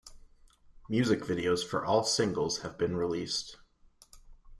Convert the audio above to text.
Music videos for all singles have been released.